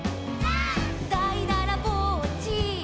「」「だいだらぼっち」「」